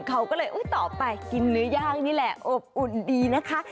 เขาก็เลยต่อไปกินเนื้อย่างนี่แหละอบอุ่นดีนะคะ